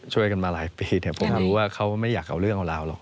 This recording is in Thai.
ช่วยกันมาหลายปีแต่ผมรู้ว่าเขาไม่อยากเอาเรื่องเอาราวหรอก